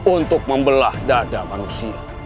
untuk membelah dada manusia